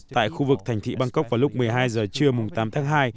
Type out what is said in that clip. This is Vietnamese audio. tại khu vực thành thị bangkok vào lúc một mươi hai h trưa tám tháng hai